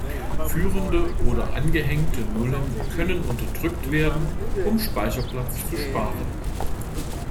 Führende oder angehängte Nullen können unterdrückt werden, um Speicherplatz zu sparen.